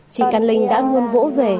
chị căn linh đã luôn vỗ về